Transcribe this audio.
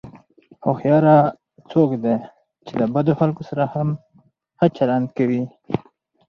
هوښیار څوک دی چې د بدو خلکو سره هم ښه چلند کوي.